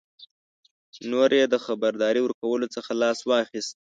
نور یې د خبرداري ورکولو څخه لاس واخیست.